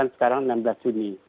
sekarang enam belas juni